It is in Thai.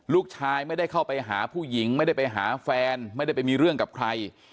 ลูกชายไม่ได้เข้าไปหาผู้หญิงไม่ได้ไปหาแฟนไม่ได้ไปมีเรื่องกับใคร